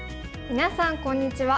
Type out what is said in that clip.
みなさんこんにちは。